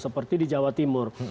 seperti di jawa timur